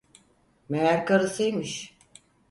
Meğer karısıymış.